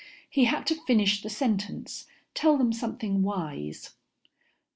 He had to finish the sentence, tell them something wise.